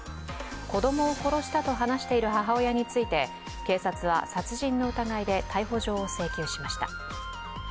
子供を殺したと話している母親について警察は殺人の疑いで逮捕状を請求しました。